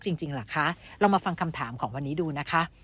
จริงเหรอคะเรามาฟังคำถามของวันนี้ดูนะคะ